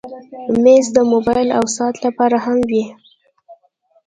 مېز د موبایل او ساعت لپاره هم وي.